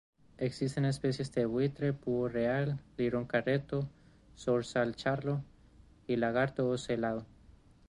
Existen especies de buitre, búho real, lirón careto, zorzal charlo y lagarto ocelado.